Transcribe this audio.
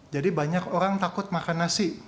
jadi banyak orang takut makan nasi